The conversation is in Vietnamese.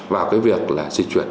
vào cái việc là dịch chuyển